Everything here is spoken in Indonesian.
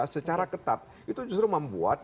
secara ketat itu justru membuat